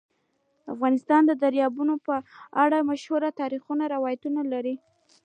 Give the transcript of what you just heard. افغانستان د دریابونه په اړه مشهور تاریخی روایتونه لري.